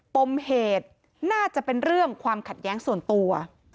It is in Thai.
ปมเหตุน่าจะเป็นเรื่องความขัดแย้งส่วนตัว